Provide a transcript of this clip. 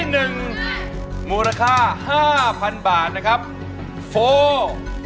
น้องพ่อสิให้นำบอก